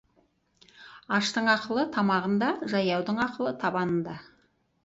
Аштың ақылы — тамағында, жаяудың ақылы — табанында.